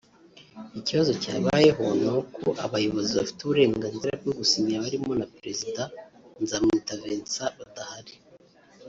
Ikibazo cyabayeho ni uko abayobozi bafite uburenganzira bwo gusinya barimo na Perezida (Nzamwita Vincent) badahari